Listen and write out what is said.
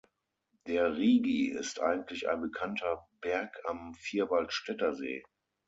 Der Rigi ist eigentlich ein bekannter Berg am Vierwaldstättersee.